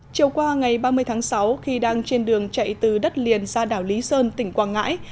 chiều qua ngày ba mươi tháng sáu khi đang trên đường chạy từ đất liền ra đảo lý sơn tỉnh quảng ngãi